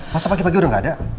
masa pagi pagi udah gak ada